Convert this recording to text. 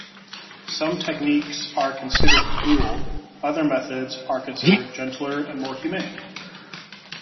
Some techniques are considered cruel, other methods are considered gentler and more humane.